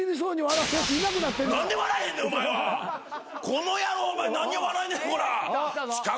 この野郎お前何を笑えねえこら。